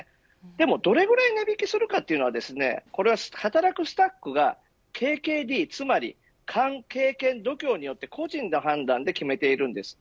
でもどれぐらい値引きするのかは働くスタッフのＫＫＤつまり勘、経験、度胸によって個人の判断で決めています。